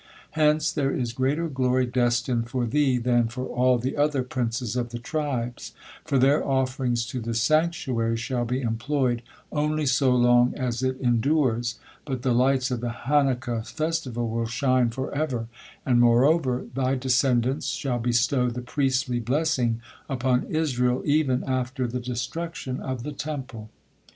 Hence there is greater glory destined for thee than for all the other princes of the tribes, for their offerings to the sanctuary shall be employed only so long as it endures, but the lights of the Hanukkah festival will shine forever; and, moreover, thy descendants shall bestow the priestly blessing upon Israel even after the destruction of the Temple."